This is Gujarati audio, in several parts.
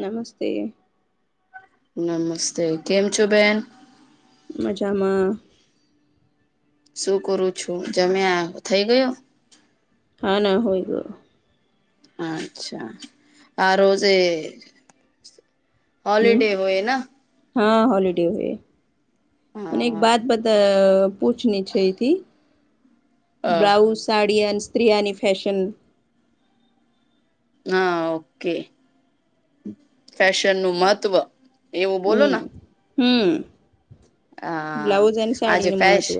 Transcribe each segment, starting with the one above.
નમસ્તે. નમસ્તે કેમ છો બેન. મજામાં. શું કરું છું જમ્યા થઈ ગયો. હા ના હોયું અચ્છા આ રોજે હમ હોલીડે હોય હા હોલીડે હોય મ એક હા બાત બતા પૂછની છે એથી અ બ્લાઉઝ સાડી અને સ્ત્રીિયાની ફેશન હા ઓકે ફેશન નું મહત્વ એવું બોલો હમ ને હમ હા બ્લાઉઝ અને આજે સાડીનું ફેશ મહત્ત્વ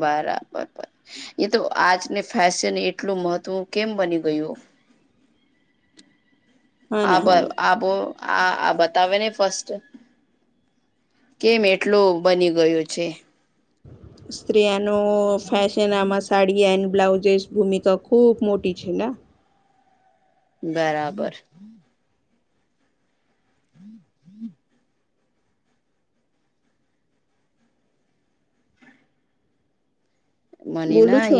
બરાબર. એ તો આજને ફેશન એટલું મહત્વ કેમ બની ગયું હા ના આ હા ના આ આ આ બતાવે ને ફસ્ટ કેમ એટલું બની ગયો છે. સ્ત્રીિયા ન ફેશન આમાં સાડી એન્ડ બ્લાઉઝસ ભૂમિકા ખૂબ મોટી છે ને. બરાબર. [inaudible] મની બોલું ના છો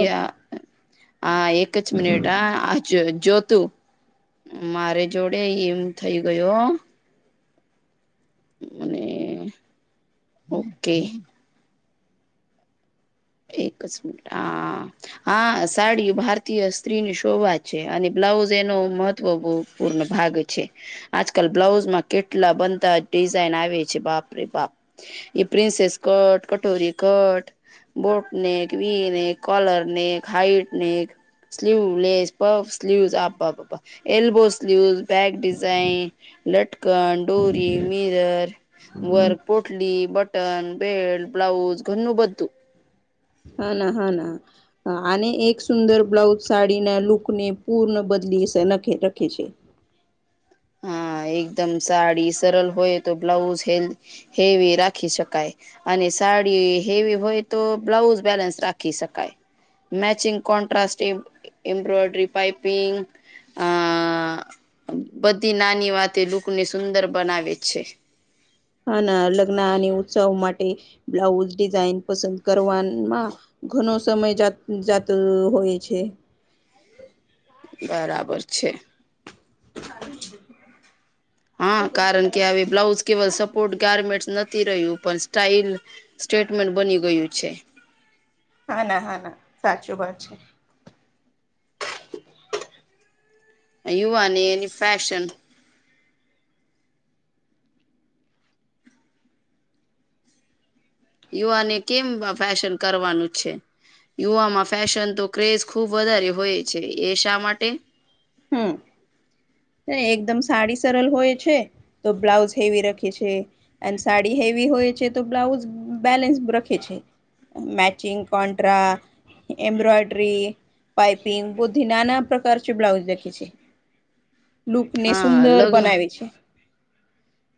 આ એક જ મિનિટ આ આ જોતું મારે જોડે એમ થઈ ગયો અને ઓકે. એક જ મિનિટ હા સાડી ભારતીય સ્ત્રીની શોભા છે અને બ્લાઉઝ એનો મહત્વ બહું પૂર્ણ ભાગ છે. આજકાલ બ્લાઉઝમાં કેટલા બધા ડિઝાઇન આવે છે બાપ રે બાપ એ પ્રિન્સેસ કટ કટોરી કટ બોટ ને એક વ ને એક કલર ને એક હાઈટ ને એક સ્લીવ લેસ પફ સ્લીવ આપ એલ્બો સ્લીવસ બેક ડિઝઇન લટકન ડોરી મિર વર્ પોટલી બટન બેલ્ટ બ્લાઉઝ ઘનું બધું હા ના હા ના. હ અને એક સુંદર બ્લાઉઝ સાડીના લૂકને પૂર્ણ બદલીખ રખે છે હા એકદમ સાડી સરળ હોય તો બ્લાઉઝ હે હેવી રાખી શકાય. અને સાડી હેવી હોય તો બ્લાઉઝ બેલેન્સ રાખી શકાય મેચિંગ કોન્ટ્રાસ એમ્બ્રોયડરી પાઇપિંગ આ. બધી નાની વાતે લૂકને સુંદર બનાવે છે. હ ના લગ્ન અને ઉત્સવ માટે બ્લાઉઝ ડિઝઇન પસંદ કરવામાં ઘનો સમય જાત જાત હોય છે. બરાબર છે. હા કારણ કે આવી બ્લાઉઝ કેવલ સપોર્ટ ગારમેન્ટસ નથી રહ્યું પણ સ્ટાઈલ સ્ટેટમેન્ટ બની ગયું છે હા ના હા ના સાચું વાત છે. યુવાને એની ફેશન યુવાને કેમ ફેશન કરવાનું છે યુમાં ફેશન તો ક્રેઝ ખુબ વધારે હોય છે એ શા માટે હમ એકદમ સાડી સરળ હોય છે તો બ્લાઉઝ હેવી રાખે છે અને સાડી હેવી હોય છે તો બ્લાઉઝ બેલેન્સ રખે છે મેચિંગ કોંન્ટ્રા એમ્બ્રોયડરી પપિંગ બુધી નાના પ્રકાર છે બ્લાઉઝ દખી છે લુક ને હા સુંદર લગ બનાવે છે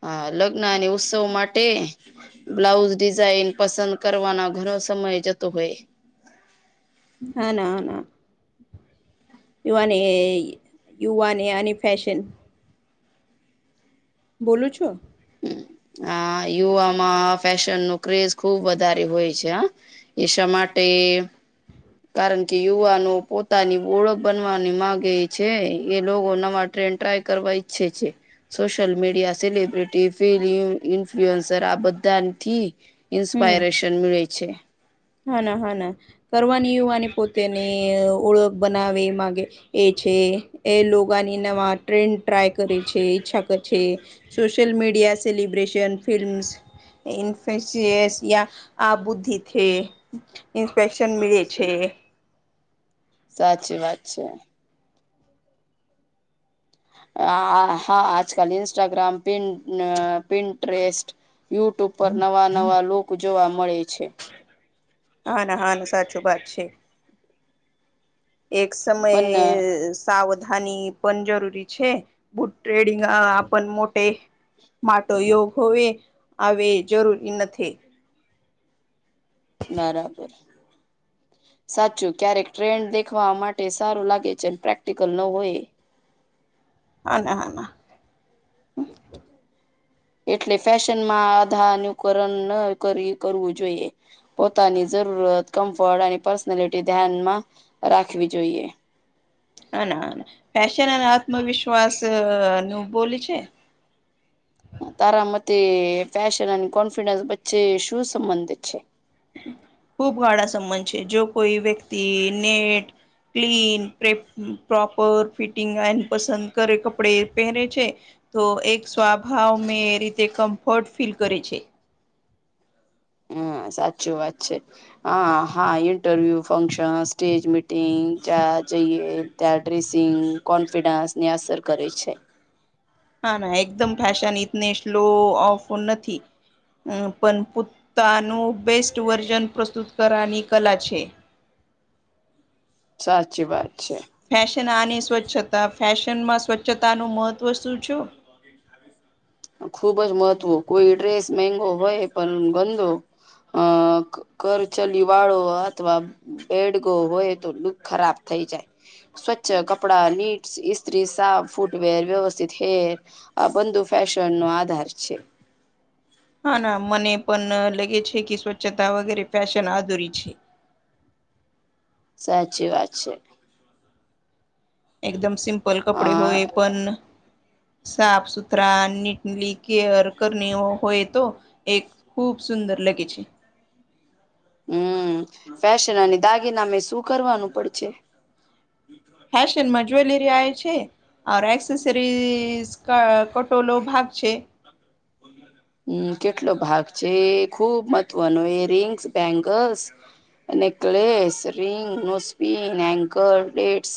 હા લગ્ન અને ઉત્સવ માટે બ્લાઉઝ ડિઝઇન પસંદ કરવાનો ઘણો સમય જતો હોય હના હના ુવાને યુવાને અને અને ફૅેશન બોલું છો આ યુવામાં ફેશન ન ક્રેઝ ખુબ વધારે હોય છે હ એ શ માટે કારણ કે યુવાનો પોતાની ઓળખ બનવાની મામાંગે છે એ લોકો નવા ટ્રેન્ડ ટ્રાય કરવા ઈચ્છે છે સોશિયલ મીડિયા સેલિબ્રિટી ફમ ઇન્ફ્લુઅન્સર આ બધાથી હમ ઇન્સ્પાયરેશન મળે છે હા ના હા ના કરવાની એયવાની પોતેની ઓળખ બનાવે એ માગે એ છે એ લોાની નવા ટ્રેન્ડ ટ્રાય કરે છે ઈચ્છા કરે છે સોશલ મીડિયા સેલિબ્રેશન ફિલ્મ્સ ઇફ્સિયસ યા આબુદ્ધિ થે ઇન્સ્પેક્શન મળે છે સાચી વાત છે હા આજકાલ ન્સ્ટાગ્રામ પિ પિસ્ટ યુટ્યુબ પર નવા નવા લુક જોવા મળે છે હન હ સાચી વાત છે એક સમયે પણ સાવધાની પણ જરૂરી છે બુટ ટ્રેડિંગ પણ મોટે માટો યોગ હોવે આવે જરૂરી નથી બરાબર સાચું ક્યારેક ટ્રેન્ડ દેખવા માટે સારું લાગે છે પ્રેક્ટિકલ ન હોય હા ના હ ના એટલે ફેશનમાં આધાર નુકરણ ન કરવું જોઈએ પોતાની જરૂરત કમ્ફર્ટ અને પર્સનલિટી ધ્યાનમાં રાખવી જોઈએ હ ના ફેશન અને આત્મવિશ્વાસ નું બોલ છે તારા મત ફશન અન્ કન્ફિડનસ બચે શૂ સંબંધ છે છે ખુબ ગાળા સંબંધ છે જો કોઈ વ્યક્તિ નેટ ક્લીન પ્રોપર ફિટિંગ એનપસંદ કરે કપડે પહેરે છે તો એક સ્વભાવ મેં એ રીતે કમ્ફર્ટ ફીલ કરે છે હમ સાચું વાત છે હા હા ઇન્ટરવ્યુ ફંક્શન સ્ટેજ મીટિંગ ત્યાં જઈએ ત્યાં ડ્રેસિંગ કોન્ફિડન્સ ને અસર કરે છે હા ના એકદમ ફેશન ઇતને સ્લો ઓફ નથી અ પણ પોતાનું બેસ્ટ વર્જન પ્રસ્તુત કરવાની કલા છે સાચી વાત છે ફેશન આની સ્વચ્છતા ફેશનમાં સ્વચ્છતાનું મહત્ત્વ શું છું [inaudible] ખુબ જ મહત્વ કોઈ ડ્રેસ મંગો હોય પણ ગંદો અ કરચલીવાળો અથવા બેડગ હોય તો લુક ખરાબ થઈ જાય સ્વચ્છ કપડા નીટ સ્ત્રી સાફ ફૂટવેર વ્યવસ્થિત હેર આ બંધુ ફેશન નો આધાર છે હા ના મને પણ લાગે છે કે સ્વચ્છતા વગેરે ફેશન આધુરી છે સાચી વાત છે એકદમ સિમ્પલ અ કપડે હોય પણ સાફ સુથરા નીટલી કેયર કર હોય તો એક ખૂબ સુંદર લગે છે હમ ફેશન અને દાગીનામે શું કરવાનું પડશે ફશનમાં જ્વેલરી છે આ એકક્સસરીઝ કટોલો ભાગ છે બના હમ કેટલો ભાગ છે ખુબ મહત્વનો એ rings bangles necklace ring નસ્પિન hanger રેટ્સ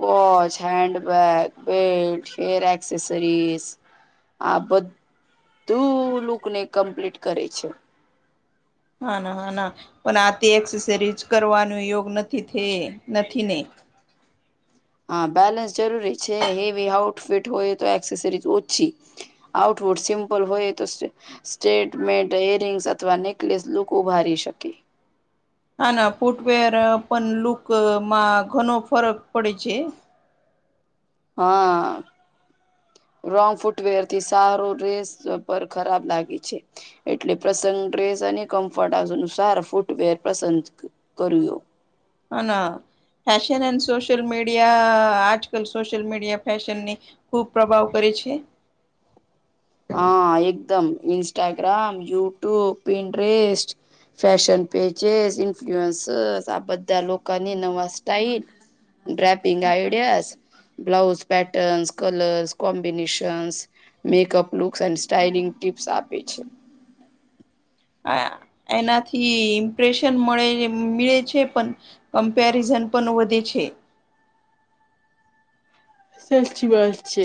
watch handbag belt hair accessories આ બધ તું લુક ને કમ્પ્લીટ કરે છે હા ના હા ના પણ આ તે એક્સસરીજ કરવાનું યોગ નથી નથી ને હા બેલેન્સ જરૂરી છે હેવી આઉટફિટ હોય તો એક્સેસરી ઓછી આઉટવુટ સિમ્પલ હોય તો સ્ટેટમે ર રિંગ્સ અથવા નેકલેસ લુક ઉભારી શકે હા ના ફૂટવેર પણ લુકમાં ઘણો ફરક પડે છે હા રોંગ ફૂટવેર થી સારો રેસ પર ખરાબ લાગે છે એટલે પ્રસંગ ડ્રેસ અને કમફટ આ સારા ફૂટવેર પસંદ કર્યો હ ના ફશન એન્ડ સોશયલ મીડિયા આજ કલ સોશિયલ મીડિયા ફશનની ખૂબ પ્રભાવ કરે છે હા એકદમ Instagram YouTube Pinterest fashion pages influencers આ બધા લોકોકની નવા style draping ideas blouse patterns colours combinations makeup looks and styling tips આપે છે એનાથી ઇમ્પ્રેશન મળે મળે છે પણ કમ્પેરિઝન પણ વધે છે સેચી વાત છે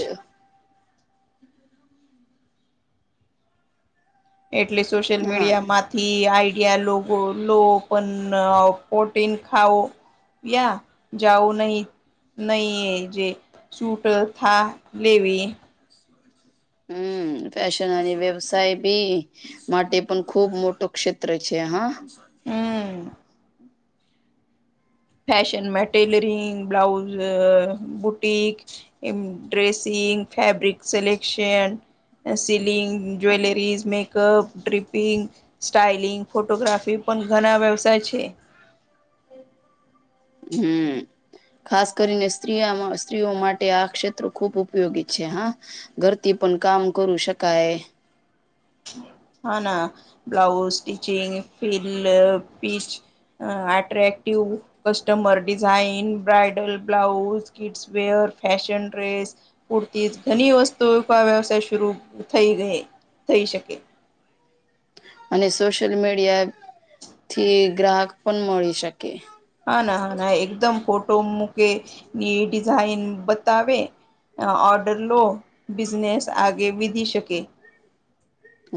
એટલે સોશિયલ હા. મીડિયામાં થી આઈડિયા લો લો પણ પ્રોટીન ખાઓ યા જાવું નહી નહી એ જે સૂટ થા લેવી હમ ફશનની વ્યવસાય ભી માટે પણ ખુબ મોટો ક્ષેત્ર છે હા હમ ફશન મેટેલરિંગ બ્લાઉઝ બુટક એ ડ્રેસિંગ ફેબ્રિક સલેકશન સીલિંગ jewelleries makeup dripping styling photography પણ ઘણા વ્યવસાય છે હમ ખાસ કરીને સ્ત્રીમાં સ્ત્રીઓ માટે આ ક્ષેત્રો ખુબ ઉપયોગી છે હા ઘરથી પણ કામ કરુ શકાય. હા ના બ્લાઉઝ સ્ટિચિંગ, ફિલ પીચ, અ attractive. Customer design bridal blouse, kids wear, fashion dress પૂરતી ઘણી વસ્તુ આ વ્યવસાય શરૂ થઈ ગ થઈ શકે. અને સોશિયલ મીડિયા થી ગ્રાહક પણ મળી શકે. હા ના હા ના એકદમ ફોટો મૂકે ની ડિઝાઇન બતાવે. ઓર્ડર લો બિઝનેસ આગે વિધી શકે.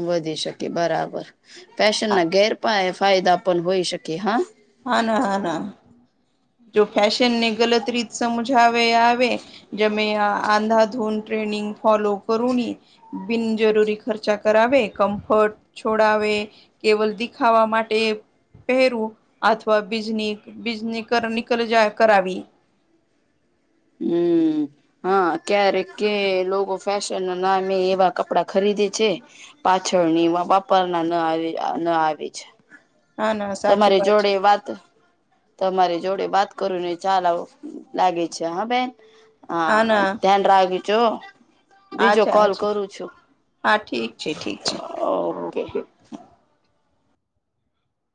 વધી શકે બરાબર ફેશન ના ગેરપ ફાયદા પણ હોઈ શકે હા. હા ના હા ના જો ફેશન ને ગલત રીત સમજાવે આવે જમે આંધાધૂન ટ્રેનિંગ ફોલો કરુ બિનજરૂરી ખર્ચા કરાવે કમ્ફર્ટ છોડાવે કેવલ દિખાવા માટે પહેરું. અથવા બિઝની બિજની કર નિકલ જ કરવી. હમ્મ. હા ક્યારે કે લોકો ફેશન નામે એવા કપડા ખરીદે છે. પાછળની બાપરના ન આવી ન આવી છે. હા ના સાચું તમારી જોડે છે વાત તમારી જોડે વાત કરું ને ચાલવ લાગે છે હા બેન. હા ધ્યાન રાાગજો. બીજો અચ્છા કોલ અચ્છા ઠીક કરું છું હા ઠીક છે ઠીક છે ઓકે.